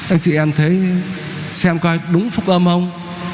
anh chị em xem coi đúng phúc âm không